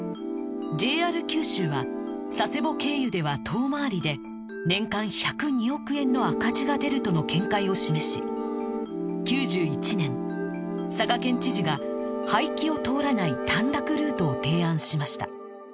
ＪＲ 九州は佐世保経由では遠回りで年間１０２億円の赤字が出るとの見解を示し９１年佐賀県知事が早岐を通らない短絡ルートを提案しました